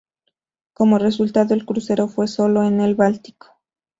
Como resultado, el crucero fue solo en el Báltico.